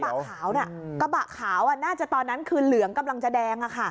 กระบะขาวน่ะกระบะขาวน่าจะตอนนั้นคือเหลืองกำลังจะแดง